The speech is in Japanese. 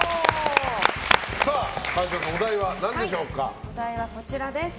川嶋さん、お題は何でしょうか。